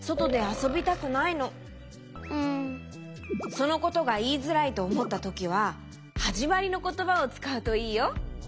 そのことがいいづらいとおもったときははじまりのことばをつかうといいよ。